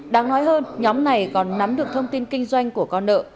đáng nói hơn nhóm này còn nắm được thông tin kinh doanh của con nợ